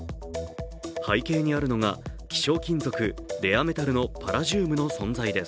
背景にあるのが希少金属＝レアメタルのパラジウムの存在です。